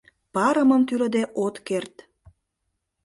— Парымым тӱлыде от керт...